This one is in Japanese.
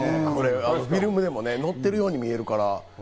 フィルムでもね、乗ってるように見えるから。